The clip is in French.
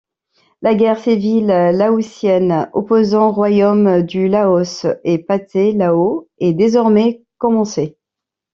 La guerre civile laotienne, opposant Royaume du Laos et Pathet Lao, est désormais commencée.